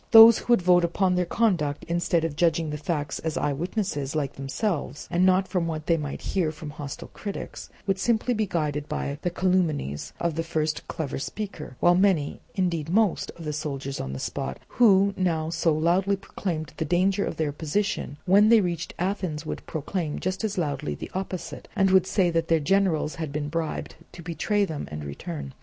Those who would vote upon their conduct, instead of judging the facts as eye witnesses like themselves and not from what they might hear from hostile critics, would simply be guided by the calumnies of the first clever speaker; while many, indeed most, of the soldiers on the spot, who now so loudly proclaimed the danger of their position, when they reached Athens would proclaim just as loudly the opposite, and would say that their generals had been bribed to betray them and return.